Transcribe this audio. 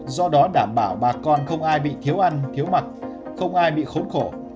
do đó đảm bảo bà con không ai bị thiếu ăn thiếu mặc không ai bị khốn khổ